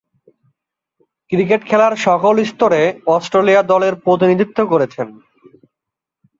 Cricket খেলার সকল স্তরে অস্ট্রেলিয়া দলের প্রতিনিধিত্ব করেছেন।